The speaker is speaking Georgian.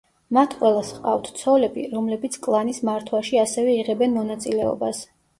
მათ ყველას ჰყავთ ცოლები, რომლებიც კლანის მართვაში ასევე იღებენ მონაწილეობას.